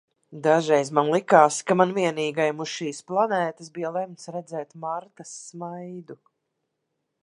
Dažreiz man likās, ka man vienīgajam uz šīs planētas bija lemts redzēt Martas smaidu.